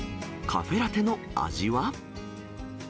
カフェラテの味は？